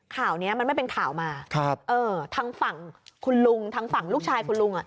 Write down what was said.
ข่าวนี้มันไม่เป็นข่าวมาทางฝั่งคุณลุงทางฝั่งลูกชายคุณลุง